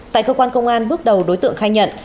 tại cơ quan công an bước đầu đối tượng khai nhận